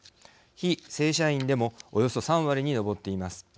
非正社員でもおよそ３割に上っています。